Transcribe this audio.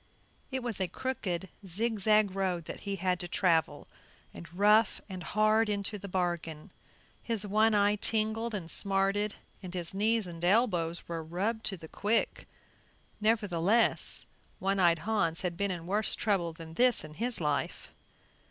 It was a crooked, zigzag road that he had to travel, and rough and hard into the bargain. His one eye tingled and smarted, and his knees and elbows were rubbed to the quick; nevertheless One eyed Hans had been in worse trouble than this in his life.